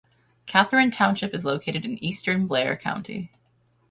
Catharine Township is located in eastern Blair County.